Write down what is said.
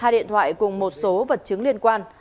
hai điện thoại cùng một số vật chứng liên quan